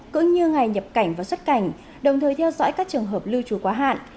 cũng như ngày nhập cảnh và xuất cảnh đồng thời theo dõi các trường hợp lưu trú quá hạn